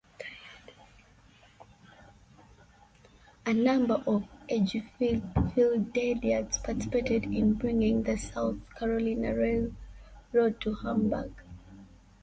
A number of Edgefieldians participated in bringing the South Carolina Railroad to Hamburg.